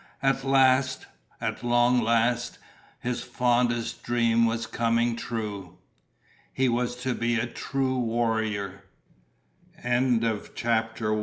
At last, at long last, his fondest dream was coming true. He was to be a true warrior. CHAPTER TWO _Raiding the P